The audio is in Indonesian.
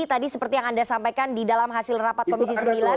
tadi seperti yang anda sampaikan di dalam hasil rapat komisi sembilan